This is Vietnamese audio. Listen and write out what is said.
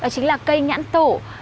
chính là cây nhãn tổ